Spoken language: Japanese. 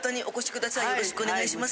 よろしくお願いします。